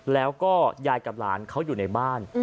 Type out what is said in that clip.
แล้วก็ยายกับหลานเขาอยู่ในบ้าน